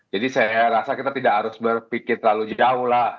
jadi saya rasa kita tidak harus berpikir terlalu jauh lah